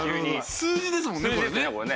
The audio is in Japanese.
数字ですもんねこれね。